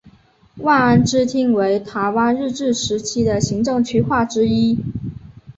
望安支厅为台湾日治时期的行政区划之一。